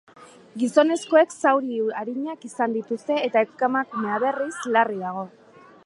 Gizonezkoek zauri arinak izan dituzte eta emakumea, berriz, larri dago.